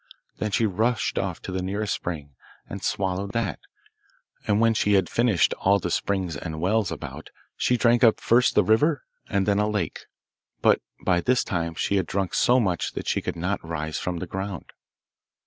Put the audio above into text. Then she rushed off to the nearest spring, and swallowed that, and when she had finished all the springs and wells about she drank up first the river and then a lake. But by this time she had drunk so much that she could not rise from the ground.